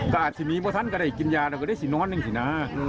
กะอัดที่นี่เพราะฉันก็ได้กินยาเราก็ได้จะนอนอย่างนี้นะ